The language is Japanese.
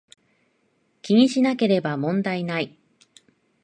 気にしなければ問題無い